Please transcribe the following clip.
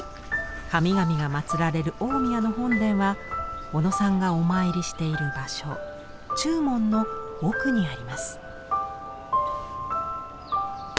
神々がまつられる大宮の本殿は小野さんがお参りしている場所中門の奥にあります。